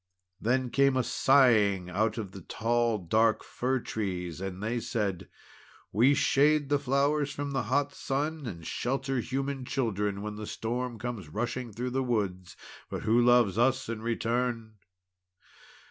Then came a sighing out of the tall dark firtrees, and they said: "We shade the flowers from the hot sun, and shelter human children when the storm comes rushing through the woods, but who loves us in return?"